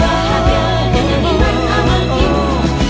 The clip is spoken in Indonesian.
bahagia dengan iman aman imun